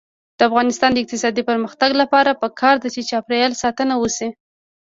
د افغانستان د اقتصادي پرمختګ لپاره پکار ده چې چاپیریال ساتنه وشي.